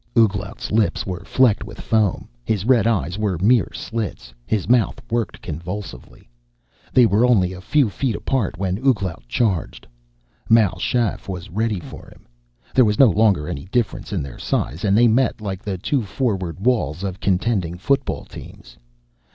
Ouglat's lips were flecked with foam, his red eyes were mere slits, his mouth worked convulsively. They were only a few feet apart when Ouglat charged. Mal Shaff was ready for him. There was no longer any difference in their size and they met like the two forward walls of contending football teams.